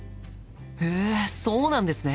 へえそうなんですね。